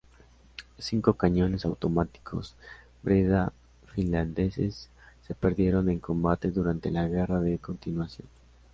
Cinco cañones automáticos Breda finlandeses se perdieron en combate durante la Guerra de Continuación.